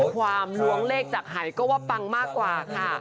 ความล้วงเลขจากหายก็ว่าปังมากกว่าค่ะ